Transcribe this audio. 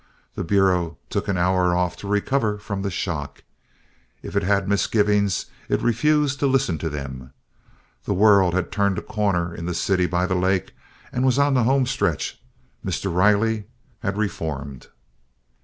The Bureau took an hour off to recover from the shock. If it had misgivings, it refused to listen to them. The world had turned a corner in the city by the lake and was on the home stretch: Mr. Riley had reformed.